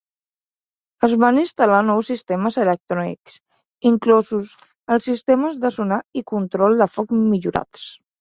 Es van instal·lar nous sistemes electrònics, inclosos els sistemes de sonar i control de foc millorats.